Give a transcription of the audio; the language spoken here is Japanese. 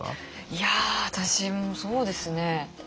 いや私もそうですね。